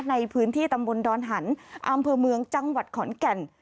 ในพื้นที่ตำบลดอนหันอำเภอเมืองจังหวัดขอนแก่น